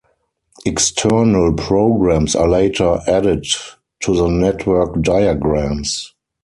External programs are later added to the network diagrams.